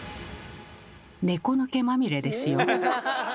猫の毛まみれですよ。